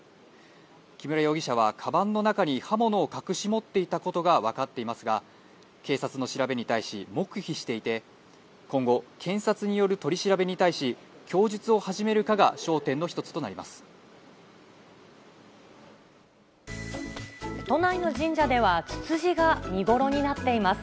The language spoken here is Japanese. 木村容疑者はかばんの中に刃物を隠し持っていたことが分かっていますが、警察の調べに対し、黙秘していて、今後、検察による取り調べに対し、供述を始めるかが焦点の一つとな都内の神社ではつつじが見頃になっています。